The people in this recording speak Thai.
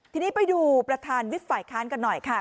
ทีนี้ไปดูประธานวิบฝ่ายค้านกันหน่อยค่ะ